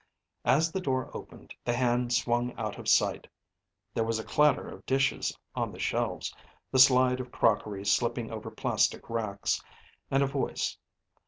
As the door opened, the hand swung out of sight. There was a clatter of dishes on the shelves, the slide of crockery slipping over plastic racks, and a voice.